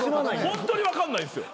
ホントに分かんないんですよ。